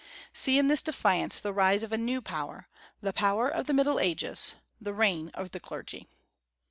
See in this defiance the rise of a new power, the power of the Middle Ages, the reign of the clergy.